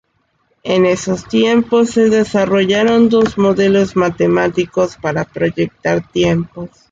En esos tiempos, se desarrollaron dos modelos matemáticos para proyectar tiempos.